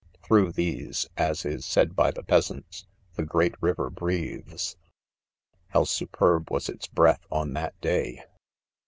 Through these, as is . said by the peasants, " the great river breathes. 5 '— How superb was its breath on that day